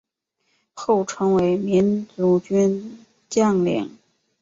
后成为民族军将领。